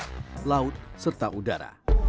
koh si nam